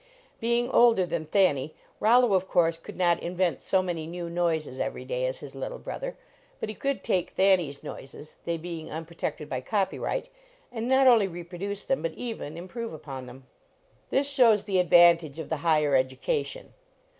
Being 62 LEARNING TO PLAY older than Thanny, Rollo, of course, could not invent so many new noises every day as his little brotlu r. 1 >ut he could take Thanny s noises, they being unprotected by copyright, and not only reproduce them, but even im prove upon them. This shows the advantage of the higher education.